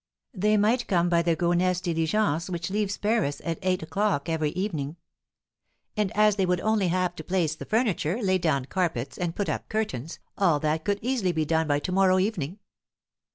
"They might come by the Gonesse diligence, which leaves Paris at eight o'clock every evening." "And as they would only have to place the furniture, lay down carpets, and put up curtains, all that could easily be done by to morrow evening."